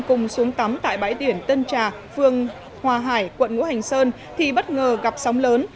cùng xuống tắm tại bãi biển tân trà phương hòa hải quận ngũ hành sơn thì bất ngờ gặp sóng lớn